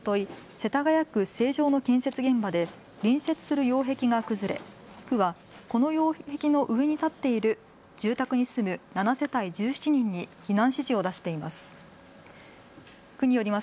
世田谷区成城の建設現場で隣接する擁壁が崩れ区はこの擁壁の上に建っている住宅に住む７世帯１７人に避難指示を出しています。